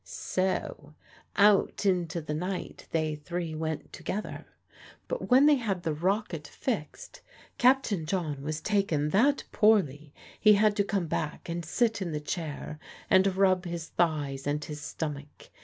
So out into the night they three went together. But when they had the rocket fixed, Captain John was taken that poorly he had to come back and sit in the chair, and rub his thighs and his stomach.